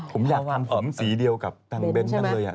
ผมอยากทำผมสีเดียวกับตังค์เบ้นท์นั่นเลยอ่ะ